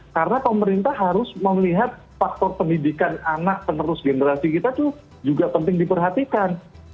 karena pemerintah harus melihat faktor pendidikan anak penerus generasi kita itu juga penting diperhatikan